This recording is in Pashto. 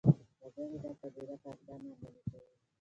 وګړي دا پدیدې په اسانۍ عملي کوي